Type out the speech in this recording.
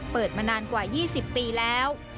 เปิดมานานกว่า๒๐ปีแล้ว